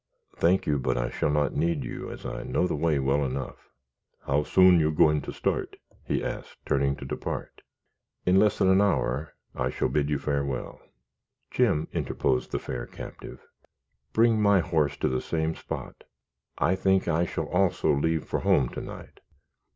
"Thank you; but I shall not need you, as I know the way well enough." "How soon you goin' to start?" he asked, turning to depart. "In less than an hour I shall bid you farewell." "Jim," interposed the fair captive, "bring my horse to the same spot. I think I shall also leave for home to night.